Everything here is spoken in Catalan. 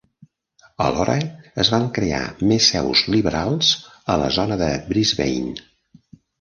Alhora, es van crear més seus liberals a la zona de Brisbane.